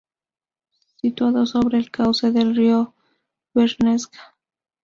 Situado sobre el cauce del río Bernesga.